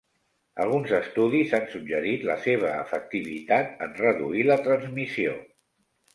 Alguns estudis han suggerit la seva efectivitat en reduir la transmissió.